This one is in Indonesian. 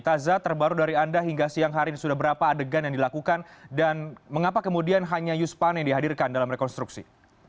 taza terbaru dari anda hingga siang hari ini sudah berapa adegan yang dilakukan dan mengapa kemudian hanya yuspan yang dihadirkan dalam rekonstruksi